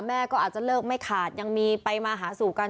แม่ก็อาจจะเลิกไม่ขาดยังมีไปมาหาสู่กัน